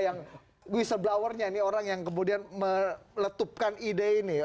yang whistleblowernya ini orang yang kemudian meletupkan ide ini